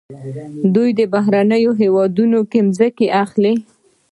دوی په بهرنیو هیوادونو کې ځمکې اخلي.